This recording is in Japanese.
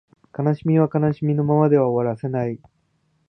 悲しみは悲しみのままでは終わらせない